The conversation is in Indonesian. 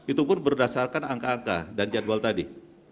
itu pun berdasarkan angka angka dan jadwal tadi